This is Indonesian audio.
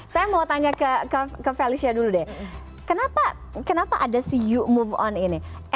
saya mau tanya ke felicia dulu deh kenapa kenapa ada si you move on ini emang sekarang orang orang zatthis ya